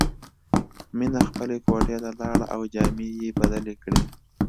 مینه خپلې کوټې ته لاړه او جامې یې بدلې کړې